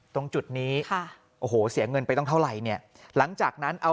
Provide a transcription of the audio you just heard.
ตรงจุดนี้ค่ะโอ้โหเสียเงินไปต้องเท่าไหร่เนี่ยหลังจากนั้นเอา